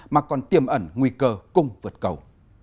mà còn tiêm ẩn nguy cơ cung vượt cầu